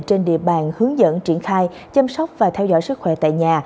trên địa bàn hướng dẫn triển khai chăm sóc và theo dõi sức khỏe tại nhà